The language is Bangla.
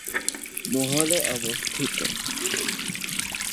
মহল -এ অবস্থিত।